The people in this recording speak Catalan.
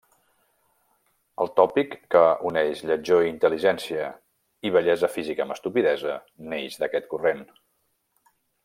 El tòpic que uneix lletjor i intel·ligència i bellesa física amb estupidesa neix d'aquest corrent.